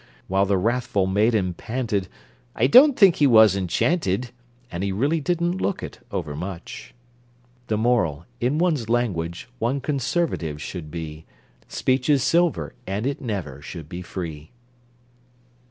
While the wrathful maiden panted: "I don't think he was enchanted!" (And he really didn't look it overmuch!) The Moral: In one's language one conservative should be: Speech is silver, and it never should be free!